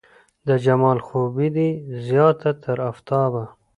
د جمال خوبي دې زياته تر افتاب ده